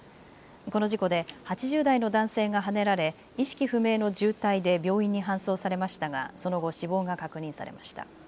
この事故で８０代の男性がはねられ意識不明の重体で病院に搬送されましたがその後、死亡が確認されました。